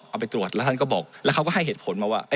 เอาไปตรวจแล้วท่านก็บอกแล้วเขาก็ให้เหตุผลมาว่า